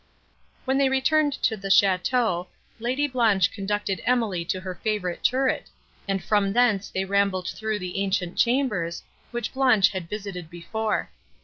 When they returned to the château, Lady Blanche conducted Emily to her favourite turret, and from thence they rambled through the ancient chambers, which Blanche had visited before.